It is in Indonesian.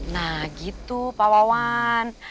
nah gitu pak wawan